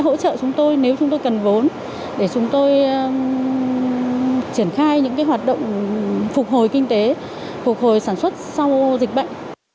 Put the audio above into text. hỗ trợ chúng tôi nếu chúng tôi cần vốn để chúng tôi triển khai những hoạt động phục hồi kinh tế phục hồi sản xuất sau dịch bệnh